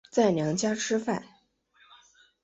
在娘家吃饭